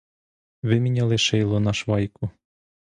Виміняли шило на швайку.